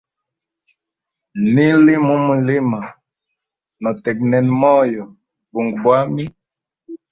Nili mumwilima, notegnena moyo bunga bwami.